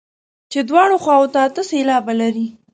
چې دواړو خواوو ته اته سېلابه لري.